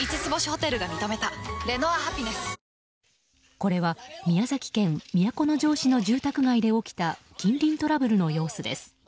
これは、宮崎県都城市の住宅街で起きた近隣トラブルの様子です。